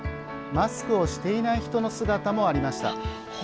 マスクをしていない人の姿もありました。